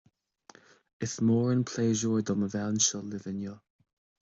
Is mór an pléisiúr dom a bheith anseo libh inniu